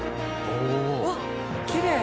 うわっきれい。